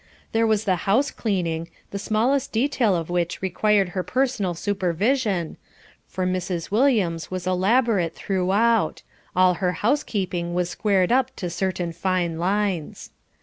There was the house cleaning, the smallest detail of which required her personal supervision, for Mrs. Williams was elaborate throughout; all her housekeeping was squared up to certain fine lines.